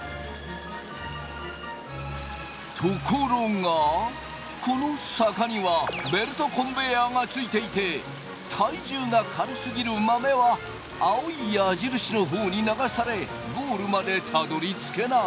ところがこの坂にはベルトコンベヤーがついていて体重が軽すぎる豆は青い矢印の方に流されゴールまでたどりつけない。